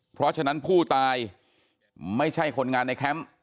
เพราะฉะนั้นผู้ตายไม่ใช่คนงานในแคมป์